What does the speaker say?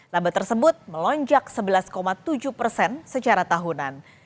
laba tersebut melonjak sebelas tujuh persen secara tahunan